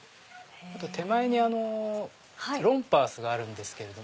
手前にロンパースがあるんですけど。